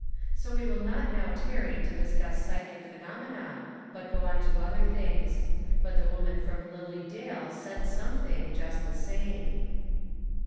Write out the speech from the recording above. So we will not now tarry to discuss psychic phenomena, but go on to other things. But the woman from Lilly Dale said something, just the same.